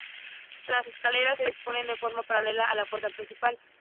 Las escaleras se disponen en forma paralela a la puerta principal.